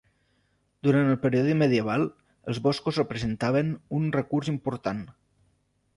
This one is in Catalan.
Durant el període medieval, els boscos representaven un recurs important.